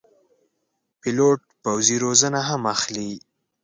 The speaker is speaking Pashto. پیلوټ پوځي روزنه هم اخلي.